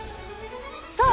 そう！